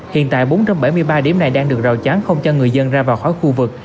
hiện tại bốn trăm bảy mươi ba điểm này đang được rào chắn không cho người dân ra vào khối khu vực